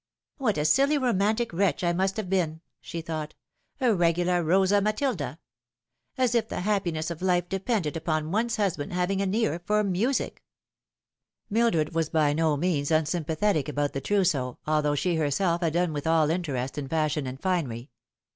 " What a silly romantic wretch I must have been !" she thought ;" a regular Rosa Matilda ! As if the happiness of life depended upon one's husband having an ear for music 1" Mildred was by no means unsympathetic about the trousseau, although she herself had done with all interest in fashion and finery.